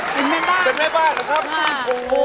เป็นแม่บ้านน์เป็นแม่บ้านน์กันครับกันครับ